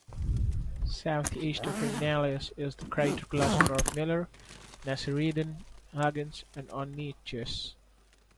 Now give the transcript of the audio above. Southeast of Fernelius is the crater cluster of Miller, Nasireddin, Huggins, and Orontius.